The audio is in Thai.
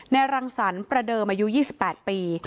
รังสรรค์ประเดิมอายุ๒๘ปี